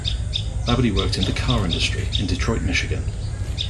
Labadie worked in the car industry in Detroit, Michigan.